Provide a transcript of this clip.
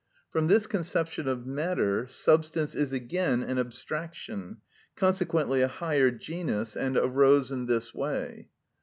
From this conception of matter, substance is again an abstraction, consequently a higher genus, and arose in this way.